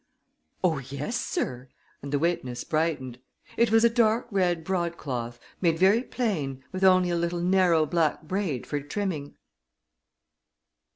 "Oh, yes, sir," and the witness brightened. "It was a dark red broadcloth, made very plain, with only a little narrow black braid for trimming."